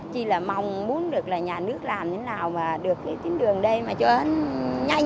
chỉ là mong muốn được là nhà nước làm thế nào mà được cái tiến đường đây mà cho nó nhanh